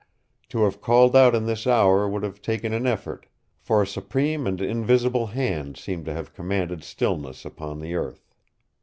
To have called out in this hour would have taken an effort, for a supreme and invisible Hand seemed to have commanded stillness upon the earth.